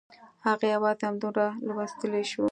هغه یوازې همدومره لوستلی شو